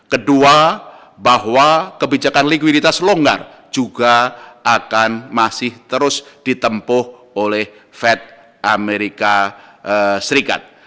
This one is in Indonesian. kedua bahwa kebijakan likuiditas longgar juga akan masih terus ditempuh oleh fed amerika serikat